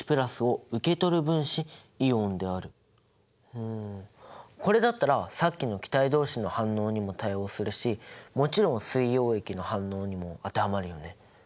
ほうこれだったらさっきの気体同士の反応にも対応するしもちろん水溶液の反応にも当てはまるよね。